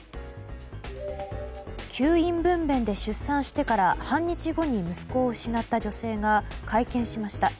吸引分娩で出産してから半日後に息子を失った女性が会見しました。